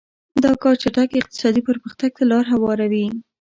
دا کار چټک اقتصادي پرمختګ ته لار هواروي.